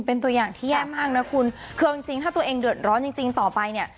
เป็นตัวอย่างที่แย่มากนะคุณคือเอาจริงจริงถ้าตัวเองเดือดร้อนจริงจริงต่อไปเนี่ย